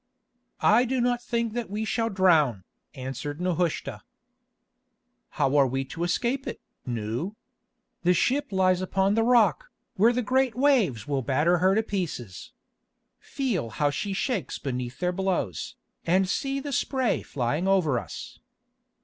"I do not think that we shall drown," answered Nehushta. "How are we to escape it, Nou? The ship lies upon the rock, where the great waves will batter her to pieces. Feel how she shakes beneath their blows, and see the spray flying over us."